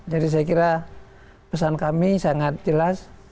jadi saya kira pesan kami sangat jelas